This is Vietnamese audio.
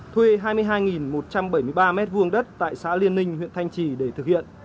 thuê hai mươi hai một trăm bảy mươi ba m hai đất tại xã liên ninh huyện thanh trì để thực hiện